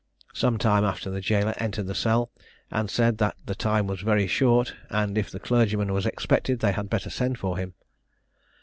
Some time after the jailor entered the cell, and said that the time was very short, and if the clergyman was expected, they had better send for him.